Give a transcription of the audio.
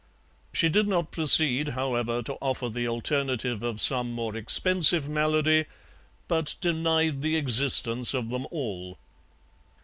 She did not proceed, however, to offer the alternative of some more expensive malady, but denied the existence of them all.